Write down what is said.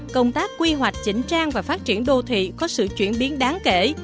công tác quy hoạch chỉnh trang và phát triển đô thị có sự chuyển biến đáng kể